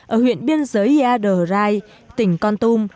ở huyện biên giới ihadrai tỉnh con tum